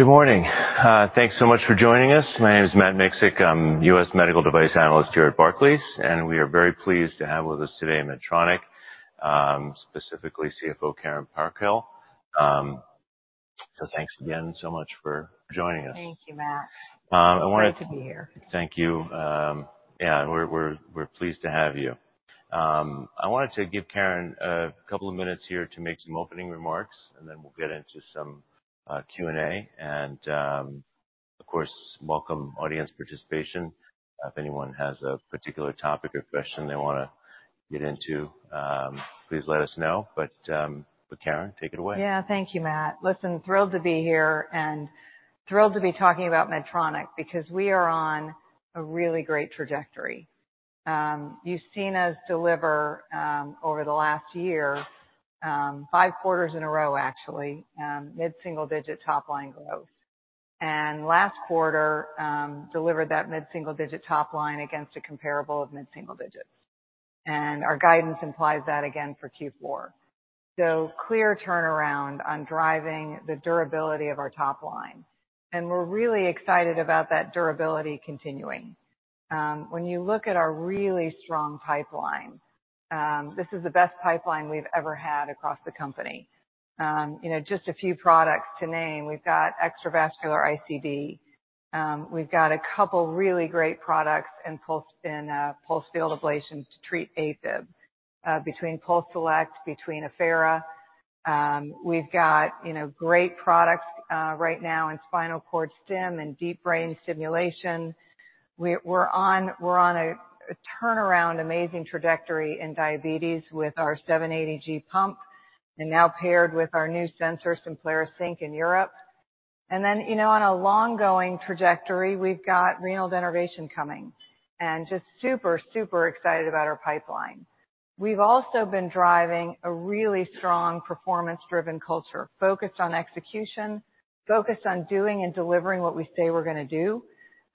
Good morning. Thanks so much for joining us. My name's Matt Miksic. I'm U.S. Medical Device Analyst here at Barclays, and we are very pleased to have with us today Medtronic, specifically CFO Karen Parkhill. Thanks again so much for joining us. Thank you, Matt. I wanted. Great to be here. Thank you. Yeah, we're pleased to have you. I wanted to give Karen a couple of minutes here to make some opening remarks, and then we'll get into some Q&A. And, of course, welcome audience participation. If anyone has a particular topic or question they wanna get into, please let us know. But Karen, take it away. Yeah, thank you, Matt. Listen, thrilled to be here and thrilled to be talking about Medtronic because we are on a really great trajectory. You've seen us deliver, over the last year, 5 quarters in a row, actually, mid-single-digit top line growth. Last quarter, delivered that mid-single-digit top line against a comparable of mid-single digits. Our guidance implies that again for Q4. So clear turnaround on driving the durability of our top line. We're really excited about that durability continuing. When you look at our really strong pipeline, this is the best pipeline we've ever had across the company. You know, just a few products to name. We've got extravascular ICD. We've got a couple really great products in pulsed field ablation to treat AFib, between PulseSelect, between Affera. We've got, you know, great products, right now in spinal cord stim and deep brain stimulation. We're on a turnaround amazing trajectory in diabetes with our 780G pump and now paired with our new sensors from Simplera Sync in Europe. And then, you know, on an ongoing trajectory, we've got renal denervation coming and just super, super excited about our pipeline. We've also been driving a really strong performance-driven culture focused on execution, focused on doing and delivering what we say we're gonna do.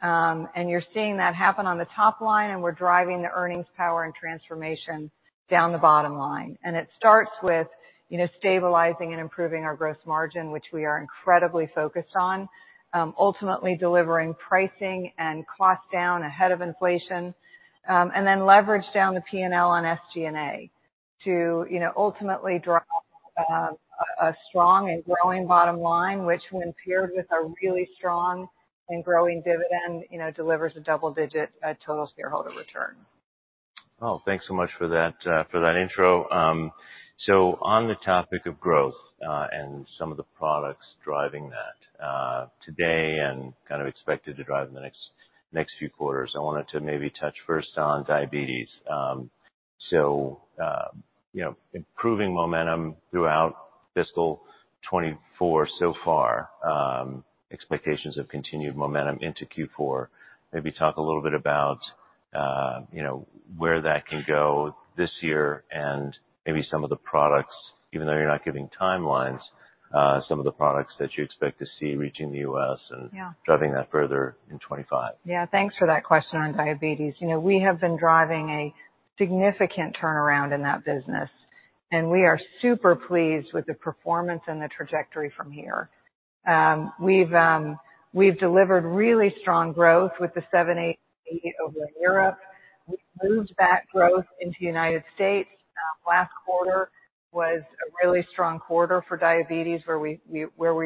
And you're seeing that happen on the top line, and we're driving the earnings power and transformation down the bottom line. It starts with, you know, stabilizing and improving our gross margin, which we are incredibly focused on, ultimately delivering pricing and cost down ahead of inflation, and then leverage down the P&L on SG&A to, you know, ultimately drive a strong and growing bottom line, which when paired with a really strong and growing dividend, you know, delivers a double-digit total shareholder return. Oh, thanks so much for that, for that intro. So on the topic of growth, and some of the products driving that, today and kind of expected to drive in the next, next few quarters, I wanted to maybe touch first on diabetes. So, you know, improving momentum throughout fiscal 2024 so far. Expectations of continued momentum into Q4. Maybe talk a little bit about, you know, where that can go this year and maybe some of the products, even though you're not giving timelines, some of the products that you expect to see reaching the U.S. and. Yeah. Driving that further in 2025. Yeah, thanks for that question on diabetes. You know, we have been driving a significant turnaround in that business, and we are super pleased with the performance and the trajectory from here. We've delivered really strong growth with the 780G over in Europe. We've moved that growth into the United States. Last quarter was a really strong quarter for diabetes where we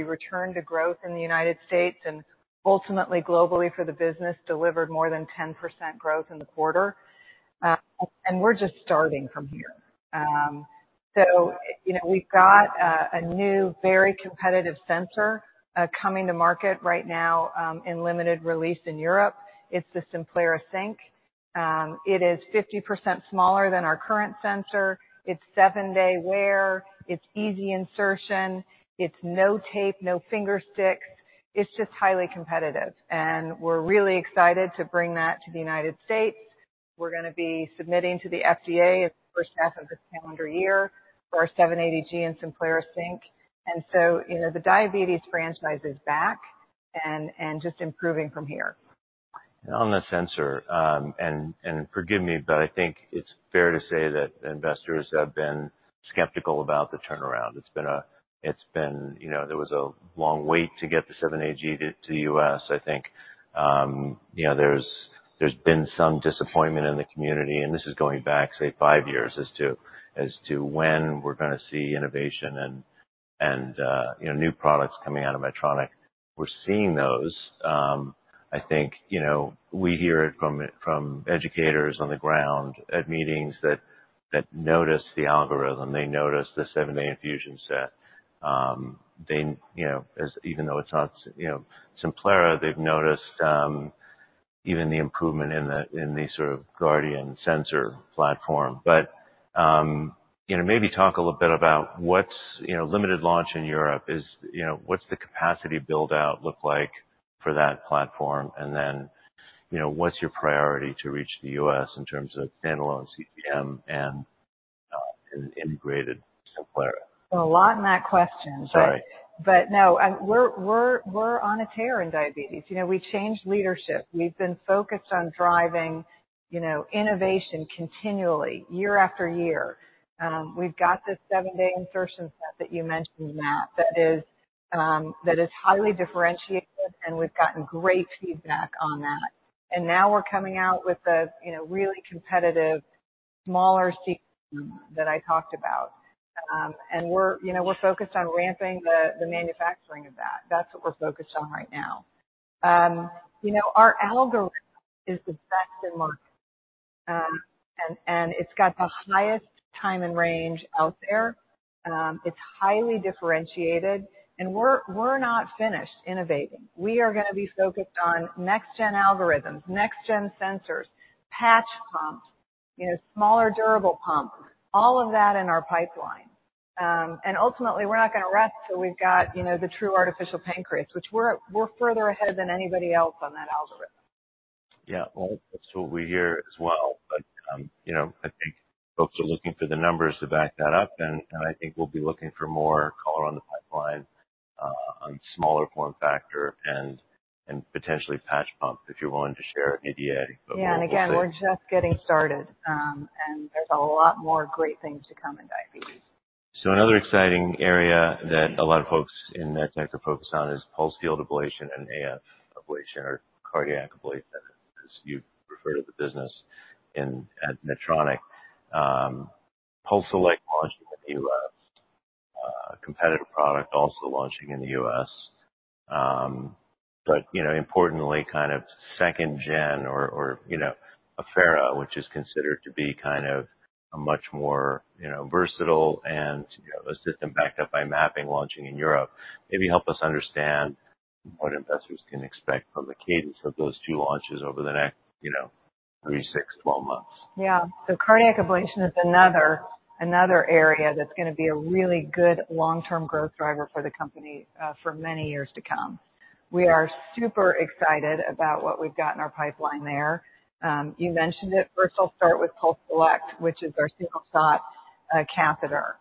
returned to growth in the United States and ultimately globally for the business, delivered more than 10% growth in the quarter. And we're just starting from here. So, you know, we've got a new very competitive sensor coming to market right now, in limited release in Europe. It's the Simplera Sync. It is 50% smaller than our current sensor. It's seven-day wear. It's easy insertion. It's no tape, no fingersticks. It's just highly competitive. And we're really excited to bring that to the United States. We're gonna be submitting to the FDA in the first half of this calendar year for our 780G and Simplera Sync. And so, you know, the diabetes franchise is back and just improving from here. And on the sensor, and forgive me, but I think it's fair to say that investors have been skeptical about the turnaround. It's been, you know, there was a long wait to get the 780G to the U.S., I think. You know, there's been some disappointment in the community, and this is going back, say, five years as to when we're gonna see innovation and, you know, new products coming out of Medtronic. We're seeing those. I think, you know, we hear it from educators on the ground at meetings that notice the algorithm. They notice the 7-day infusion set. They, you know, as even though it's not, you know, Simplera, they've noticed even the improvement in the in the sort of Guardian sensor platform. But, you know, maybe talk a little bit about what's, you know, limited launch in Europe is, you know, what's the capacity buildout look like for that platform? And then, you know, what's your priority to reach the U.S. in terms of standalone CGM and, and integrated Simplera? Well, a lot in that question, but. Sorry. But no, we're on a tear in diabetes. You know, we changed leadership. We've been focused on driving, you know, innovation continually year after year. We've got this seven-day insertion set that you mentioned, Matt, that is highly differentiated, and we've gotten great feedback on that. And now we're coming out with a, you know, really competitive smaller CGM that I talked about. And we're, you know, we're focused on ramping the manufacturing of that. That's what we're focused on right now. You know, our algorithm is the best in market, and it's got the highest time and range out there. It's highly differentiated, and we're not finished innovating. We are gonna be focused on next-gen algorithms, next-gen sensors, patch pumps, you know, smaller durable pumps, all of that in our pipeline. And ultimately, we're not gonna rest till we've got, you know, the true artificial pancreas, which we're further ahead than anybody else on that algorithm. Yeah, well, that's what we hear as well. But, you know, I think folks are looking for the numbers to back that up, and I think we'll be looking for more color on the pipeline, on smaller form factor and potentially patch pump if you're willing to share an idea. But we're not gonna. Yeah, and again, we're just getting started. There's a lot more great things to come in diabetes. So another exciting area that a lot of folks in MedTech are focused on is pulse field ablation and AF ablation or cardiac ablation, as you refer to the business in at Medtronic. PulseSelect launching in the U.S., competitor product also launching in the U.S.. You know, importantly, kind of second-gen or, you know, Affera, which is considered to be kind of a much more, you know, versatile and, you know, a system backed up by mapping launching in Europe, maybe help us understand what investors can expect from the cadence of those two launches over the next, you know, three, six, 12 months. Yeah, so cardiac ablation is another area that's gonna be a really good long-term growth driver for the company, for many years to come. We are super excited about what we've got in our pipeline there. You mentioned it. First, I'll start with PulseSelect, which is our single shot catheter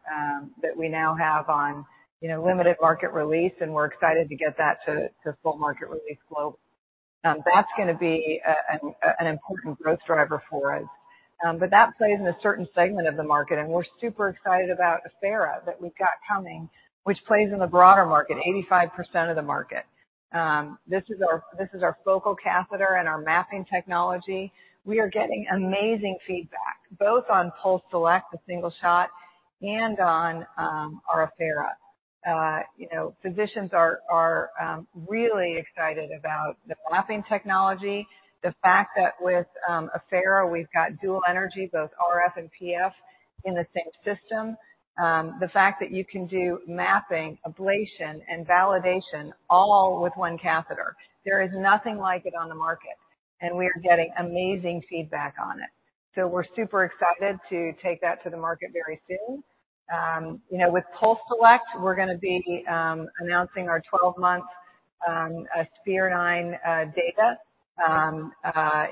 that we now have on, you know, limited market release, and we're excited to get that to full market release globally. That's gonna be an important growth driver for us. But that plays in a certain segment of the market, and we're super excited about Affera that we've got coming, which plays in the broader market, 85% of the market. This is our focal catheter and our mapping technology. We are getting amazing feedback both on PulseSelect, the single shot, and on our Affera. You know, physicians are really excited about the mapping technology, the fact that with Affera, we've got dual energy, both RF and PF, in the same system, the fact that you can do mapping, ablation, and validation all with one catheter. There is nothing like it on the market, and we are getting amazing feedback on it. So we're super excited to take that to the market very soon. You know, with PulseSelect, we're gonna be announcing our 12-month Sphere-9 data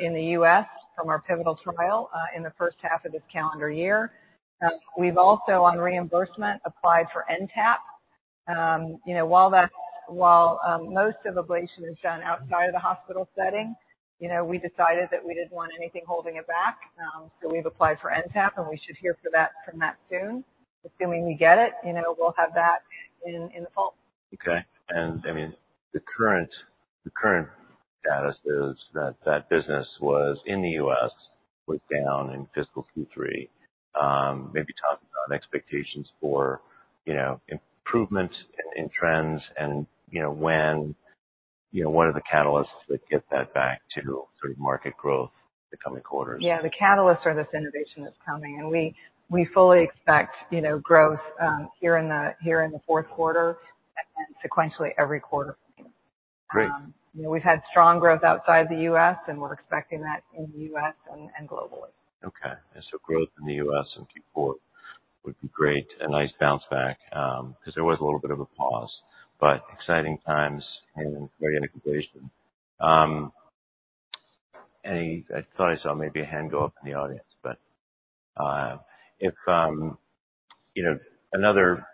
in the U.S. from our pivotal trial in the first half of this calendar year. We've also, on reimbursement, applied for NTAP. You know, while that's while most of ablation is done outside of the hospital setting, you know, we decided that we didn't want anything holding it back. So we've applied for NTAP, and we should hear from that soon, assuming we get it. You know, we'll have that in the fall. Okay. I mean, the current status is that business in the U.S. was down in fiscal Q3. Maybe talk about expectations for, you know, improvement in trends and, you know, when, you know, what are the catalysts that get that back to sort of market growth in the coming quarters? Yeah, the catalysts are this innovation that's coming, and we fully expect, you know, growth here in the fourth quarter and sequentially every quarter from here. Great. You know, we've had strong growth outside the U.S., and we're expecting that in the U.S. and, and globally. Okay. And so growth in the U.S. and Q4 would be great, a nice bounce back, 'cause there was a little bit of a pause, but exciting times and brilliant ablation. Anyway, I thought I saw maybe a hand go up in the audience, but, if, you know, another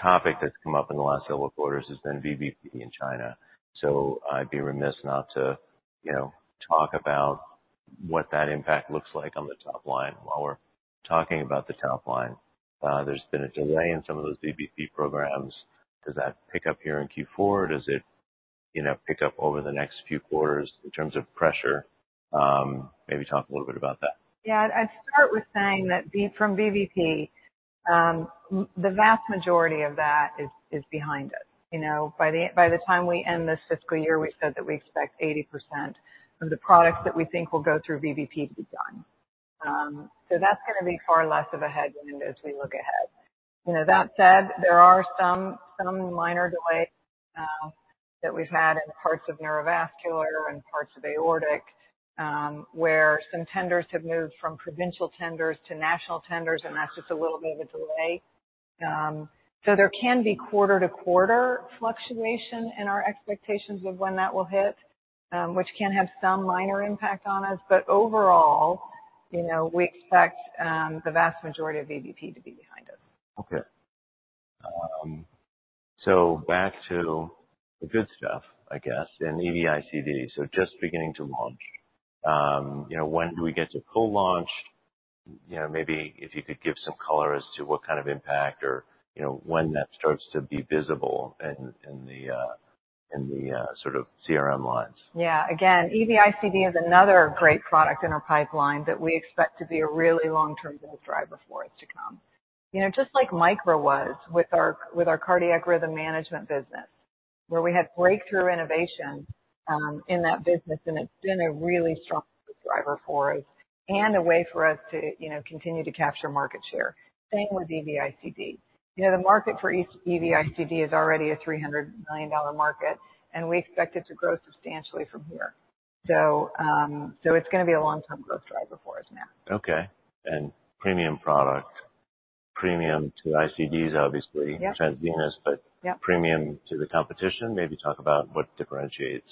topic that's come up in the last several quarters has been VBP in China. So I'd be remiss not to, you know, talk about what that impact looks like on the top line while we're talking about the top line. There's been a delay in some of those VBP programs. Does that pick up here in Q4? Does it, you know, pick up over the next few quarters in terms of pressure? Maybe talk a little bit about that. Yeah, I'd start with saying that V from VBP, the vast majority of that is behind us. You know, by the time we end this fiscal year, we said that we expect 80% of the products that we think will go through VBP to be done. So that's gonna be far less of a headwind as we look ahead. You know, that said, there are some minor delays that we've had in parts of neurovascular and parts of aortic, where some tenders have moved from provincial tenders to national tenders, and that's just a little bit of a delay. So there can be quarter-to-quarter fluctuation in our expectations of when that will hit, which can have some minor impact on us. But overall, you know, we expect the vast majority of VBP to be behind us. Okay. So back to the good stuff, I guess, and EV-ICD, so just beginning to launch. You know, when do we get to co-launch? You know, maybe if you could give some color as to what kind of impact or, you know, when that starts to be visible in the sort of CRM lines. Yeah, again, EV-ICD is another great product in our pipeline that we expect to be a really long-term growth driver for us to come. You know, just like Micra was with our cardiac rhythm management business where we had breakthrough innovation, in that business, and it's been a really strong growth driver for us and a way for us to, you know, continue to capture market share. Same with EV-ICD. You know, the market for EV-ICD is already a $300 million market, and we expect it to grow substantially from here. So it's gonna be a long-term growth driver for us, Matt. Okay. And premium product, premium to ICDs, obviously. Yep. Transvenous, but. Yep. Premium to the competition. Maybe talk about what differentiates,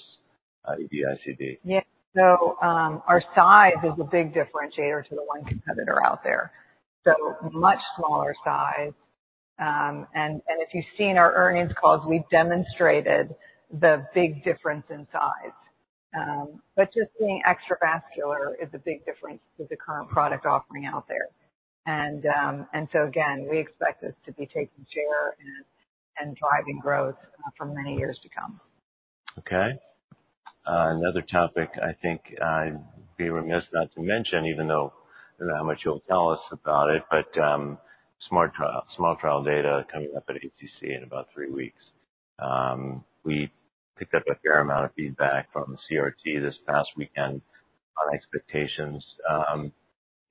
EV-ICD. Yeah, so our size is a big differentiator to the one competitor out there, so much smaller size. And if you've seen our earnings calls, we've demonstrated the big difference in size. But just being extravascular is a big difference to the current product offering out there. And so again, we expect this to be taking share and driving growth for many years to come. Okay. Another topic I think I'd be remiss not to mention, even though, you know, how much you'll tell us about it, but, SMART trial small trial data coming up at ACC in about three weeks. We picked up a fair amount of feedback from CRT this past weekend on expectations.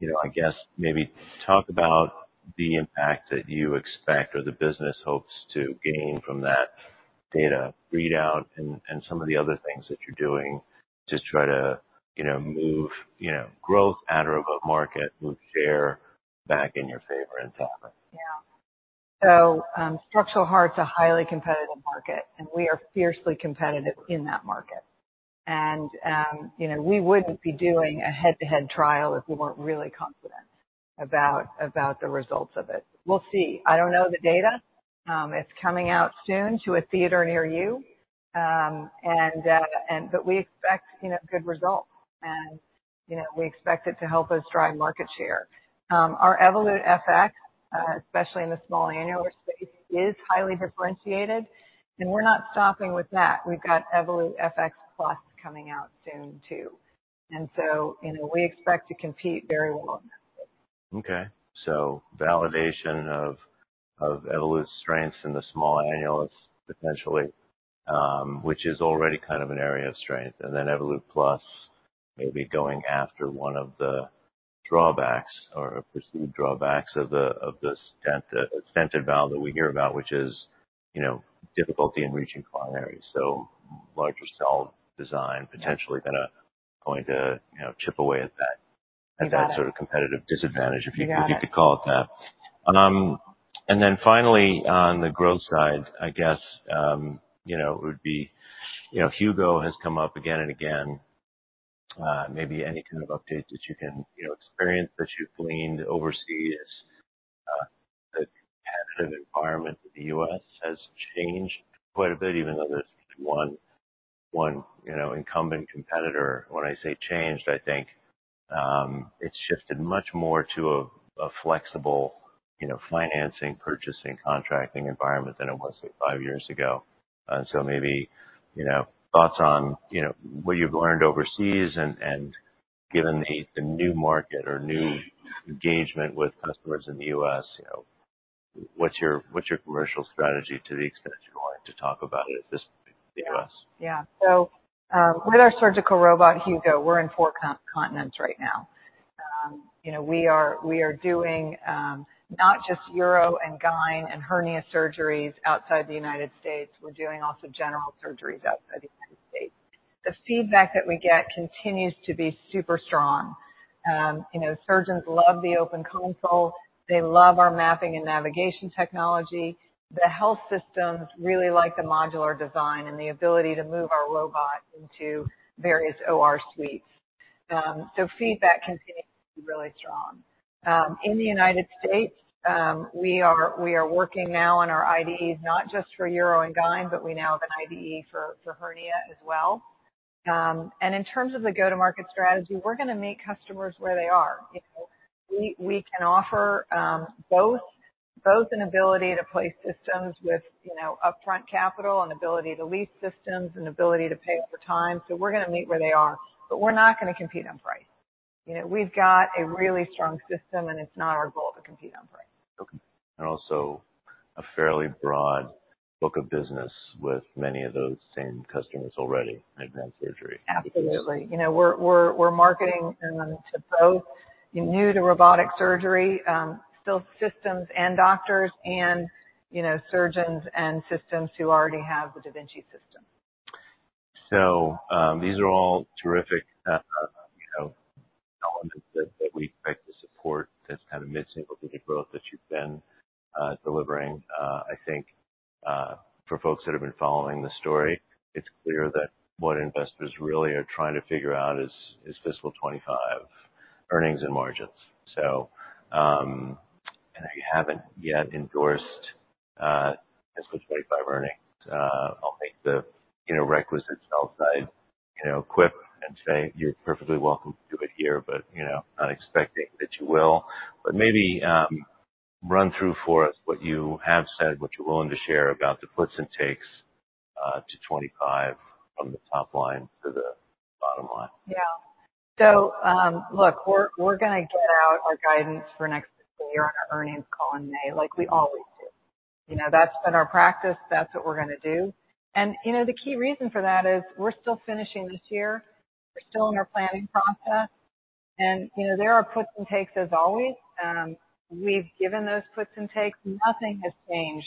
You know, I guess maybe talk about the impact that you expect or the business hopes to gain from that data readout and, and some of the other things that you're doing to try to, you know, move, you know, growth out of a market, move share back in your favor and tap it. Yeah. So, Structural Heart's a highly competitive market, and we are fiercely competitive in that market. You know, we wouldn't be doing a head-to-head trial if we weren't really confident about the results of it. We'll see. I don't know the data. It's coming out soon to a theater near you. But we expect, you know, good results, and, you know, we expect it to help us drive market share. Our Evolut FX, especially in the small annular space, is highly differentiated, and we're not stopping with that. We've got Evolut FX Plus coming out soon too. So, you know, we expect to compete very well in that space. Okay. So validation of Evolut's strengths in the small annulus, potentially, which is already kind of an area of strength. And then Evolut Plus may be going after one of the drawbacks or perceived drawbacks of the stented valve that we hear about, which is, you know, difficulty in reaching coronaries. So larger cell design potentially going to, you know, chip away at that. Yeah, yeah. At that sort of competitive disadvantage, if you. Yeah, yeah. If you could call it that. Then finally, on the growth side, I guess, you know, it would be, you know, Hugo has come up again and again. Maybe any kind of update that you can, you know, experience that you've gleaned overseas? The competitive environment in the U.S. has changed quite a bit, even though there's only one, one, you know, incumbent competitor. When I say changed, I think, it's shifted much more to a, a flexible, you know, financing, purchasing, contracting environment than it was, say, five years ago. So maybe, you know, thoughts on, you know, what you've learned overseas and, and given the, the new market or new engagement with customers in the U.S., you know, what's your what's your commercial strategy to the extent you're willing to talk about it at this point in the U.S.? Yeah, yeah. So, with our surgical robot, Hugo, we're in four continents right now. You know, we are we are doing, not just urology and gyn and hernia surgeries outside the United States. We're doing also general surgeries outside the United States. The feedback that we get continues to be super strong. You know, surgeons love the open console. They love our mapping and navigation technology. The health systems really like the modular design and the ability to move our robot into various OR suites. So feedback continues to be really strong. In the United States, we are we are working now on our IDEs, not just for urology and gyn, but we now have an IDE for hernia as well. And in terms of the go-to-market strategy, we're gonna meet customers where they are. You know, we can offer both an ability to place systems with, you know, upfront capital and ability to lease systems and ability to pay over time. So we're gonna meet where they are, but we're not gonna compete on price. You know, we've got a really strong system, and it's not our goal to compete on price. Okay. Also a fairly broad book of business with many of those same customers already in advanced surgery. Absolutely. You know, we're marketing to both new to robotic surgery systems and doctors and, you know, surgeons and systems who already have the da Vinci system. So, these are all terrific, you know, elements that we expect to support this kind of mid-single-digit growth that you've been delivering. I think, for folks that have been following the story, it's clear that what investors really are trying to figure out is fiscal 2025 earnings and margins. And if you haven't yet endorsed fiscal 2025 earnings, I'll make the, you know, requisite aside, you know, quip and say you're perfectly welcome to do it here, but, you know, not expecting that you will. But maybe run through for us what you have said, what you're willing to share about the puts and takes to 2025 from the top line to the bottom line. Yeah. So, look, we're gonna get out our guidance for next year on our earnings call in May like we always do. You know, that's been our practice. That's what we're gonna do. And, you know, the key reason for that is we're still finishing this year. We're still in our planning process. And, you know, there are puts and takes as always. We've given those puts and takes. Nothing has changed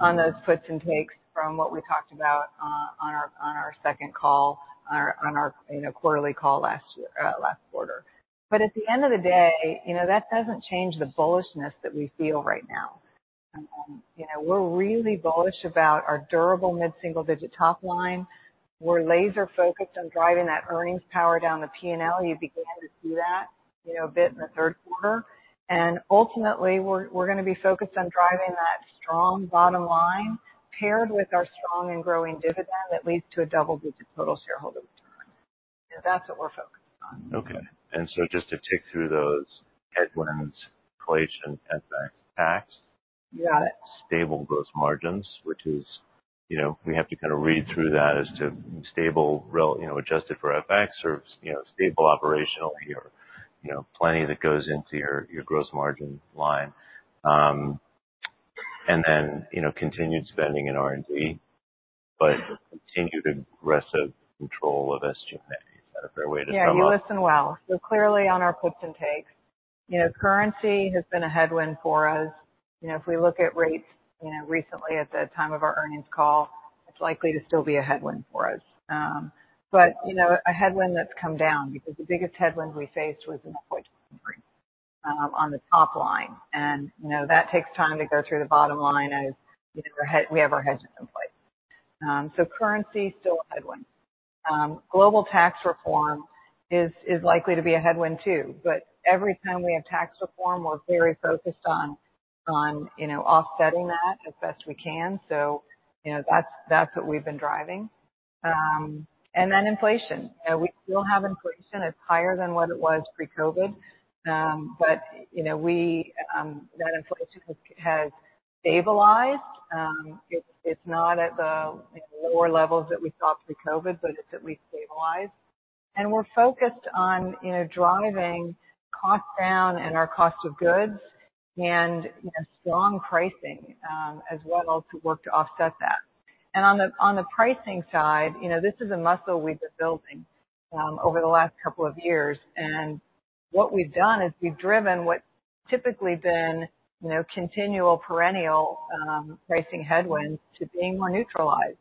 on those puts and takes from what we talked about on our second call, on our quarterly call last quarter. But at the end of the day, you know, that doesn't change the bullishness that we feel right now. You know, we're really bullish about our durable mid-single-digit top line. We're laser-focused on driving that earnings power down the P&L. You began to see that, you know, a bit in the third quarter. Ultimately, we're gonna be focused on driving that strong bottom line paired with our strong and growing dividend that leads to a double-digit total shareholder return. You know, that's what we're focused on. Okay. And so just to tick through those, headwinds, inflation, FX, tax. You got it. Stable gross margins, which is, you know, we have to kinda read through that as to stable, really, you know, adjusted for FX or, you know, stable operationally or, you know, plenty that goes into your, your gross margin line. And then, you know, continued spending in R&D but continued aggressive control of SG&A. Is that a fair way to sum up? Yeah, you listened well. So clearly, on our puts and takes, you know, currency has been a headwind for us. You know, if we look at rates, you know, recently at the time of our earnings call, it's likely to still be a headwind for us. But, you know, a headwind that's come down because the biggest headwind we faced was in the point delivery, on the top line. And, you know, that takes time to go through the bottom line as, you know, we have our hedges in place. So currency's still a headwind. Global tax reform is likely to be a headwind too. But every time we have tax reform, we're very focused on, you know, offsetting that as best we can. So, you know, that's what we've been driving. And then inflation. You know, we still have inflation. It's higher than what it was pre-COVID, but, you know, that inflation has stabilized. It's not at the, you know, lower levels that we saw pre-COVID, but it's at least stabilized. And we're focused on, you know, driving cost down and our cost of goods and, you know, strong pricing, as well to work to offset that. And on the pricing side, you know, this is a muscle we've been building, over the last couple of years. And what we've done is we've driven what's typically been, you know, continual perennial, pricing headwinds to being more neutralized.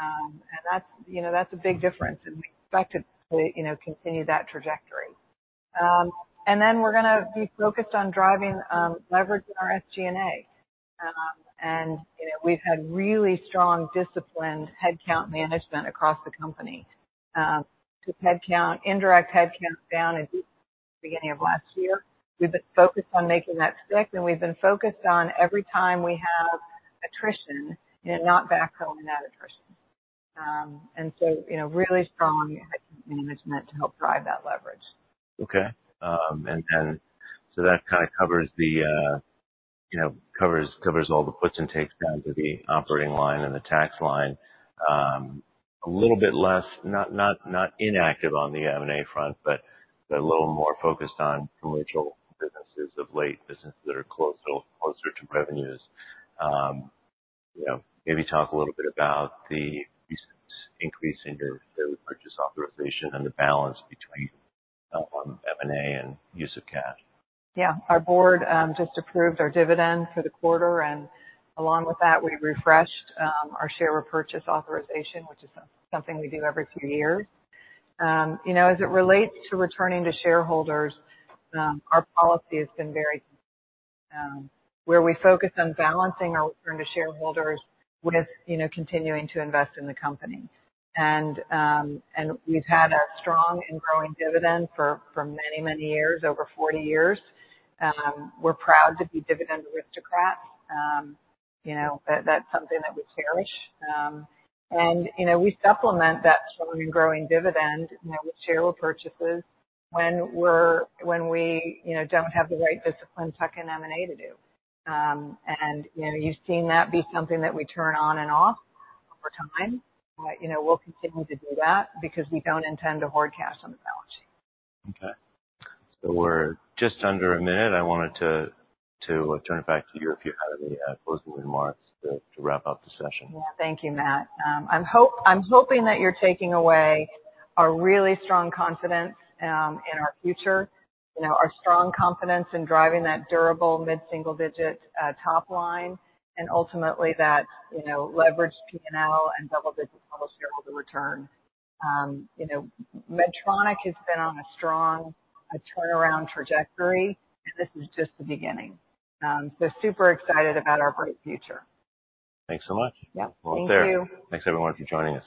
And that's, you know, a big difference, and we expect it to, you know, continue that trajectory. And then we're gonna be focused on driving, leverage in our SG&A. You know, we've had really strong disciplined headcount management across the company, took headcount, indirect headcount down at the beginning of last year. We've been focused on making that stick, and we've been focused on every time we have attrition, you know, not backfilling that attrition. You know, really strong headcount management to help drive that leverage. Okay. And then so that kinda covers the, you know, covers all the puts and takes down to the operating line and the tax line. A little bit less, not inactive on the M&A front, but a little more focused on commercial businesses of late, businesses that are closer to revenues. You know, maybe talk a little bit about the recent increase in your daily purchase authorization and the balance between M&A and use of cash. Yeah. Our board just approved our dividend for the quarter. And along with that, we refreshed our share repurchase authorization, which is something we do every few years. You know, as it relates to returning to shareholders, our policy has been very, where we focus on balancing our return to shareholders with, you know, continuing to invest in the company. And we've had a strong and growing dividend for many, many years, over 40 years. We're proud to be dividend aristocrats. You know, that, that's something that we cherish. And, you know, we supplement that strong and growing dividend, you know, with share repurchases when we, you know, don't have the right discipline tucking M&A to do. And, you know, you've seen that be something that we turn on and off over time. You know, we'll continue to do that because we don't intend to hoard cash on the balance sheet. Okay. So we're just under a minute. I wanted to turn it back to you if you had any closing remarks to wrap up the session. Yeah, thank you, Matt. I'm hoping that you're taking away our really strong confidence in our future, you know, our strong confidence in driving that durable mid-single-digit top line and ultimately that, you know, leveraged P&L and double-digit total shareholder return. You know, Medtronic has been on a strong turnaround trajectory, and this is just the beginning. So super excited about our bright future. Thanks so much. Yep. Well, thank you. Well, thanks. Thanks, everyone, for joining us.